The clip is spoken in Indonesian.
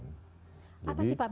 apa sih pak business matching